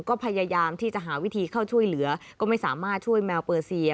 ก็พยายามที่จะหาวิธีเข้าช่วยเหลือก็ไม่สามารถช่วยแมวเปอร์เซีย